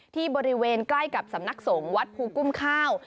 ที่บริเวณใกล้กับสำนักสงฆ์วัดภูกุ้มข้าว